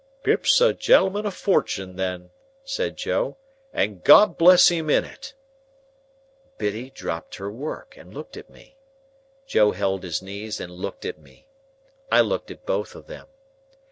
"Pip's a gentleman of fortun' then," said Joe, "and God bless him in it!" Biddy dropped her work, and looked at me. Joe held his knees and looked at me. I looked at both of them.